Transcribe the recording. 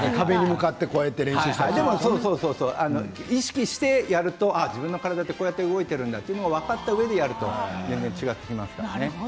意識してやると自分の体がこうやって動いているんだと分かったうえでやると全然違ってきますからね。